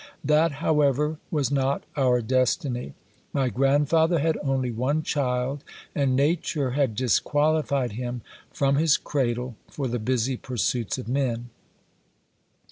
That, however, was not our destiny. My grandfather had only one child, and nature had disqualified him, from his cradle, for the busy pursuits of men.